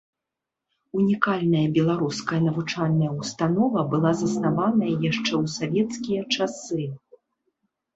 Унікальная беларуская навучальная ўстанова была заснаваная яшчэ ў савецкія часы.